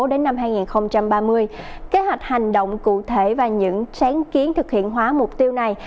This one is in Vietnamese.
đến năm hai nghìn ba mươi kế hoạch hành động cụ thể và những sáng kiến thực hiện hóa mục tiêu này